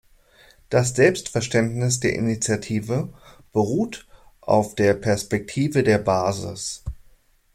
Das Selbstverständnis der Initiative beruht auf der „Perspektive der Basis“.